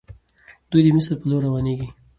دوی د مصر په لور روانيږي.